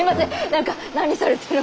何か何されてる。